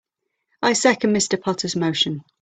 I second Mr. Potter's motion.